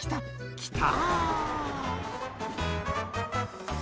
きた！